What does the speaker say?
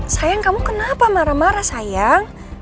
sayang kamu kenapa marah marah sayang